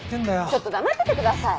ちょっと黙っててください。